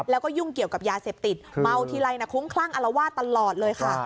แล้วก็ยุ่งเกี่ยวกับยาเสพติดเมาทีไรนะคุ้มคลั่งอารวาสตลอดเลยค่ะ